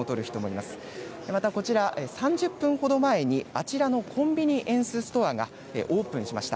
またこちら、３０分ほど前にあちらのコンビニエンスストアがオープンしました。